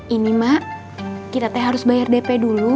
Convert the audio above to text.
ini mak kita teh harus bayar dp dulu